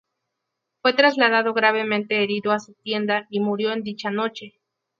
Fue trasladado gravemente herido a su tienda y murió en dicha noche.